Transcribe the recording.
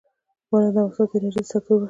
باران د افغانستان د انرژۍ د سکتور برخه ده.